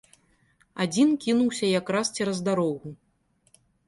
Адзін кінуўся якраз цераз дарогу.